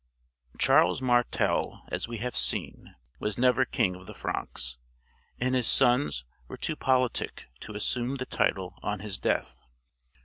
] Charles Martel, as we have seen, was never king of the Franks, and his sons were too politic to assume the title on his death.